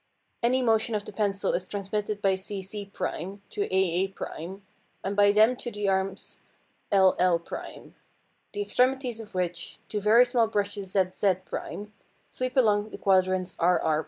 Any motion of the pencil is transmitted by CC' to AA', and by them to the arms LL', the extremities of which, two very small brushes ZZ', sweep along the quadrants RR'.